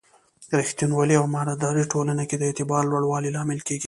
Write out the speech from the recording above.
ریښتینولي او امانتداري ټولنې کې د اعتبار لوړولو لامل کېږي.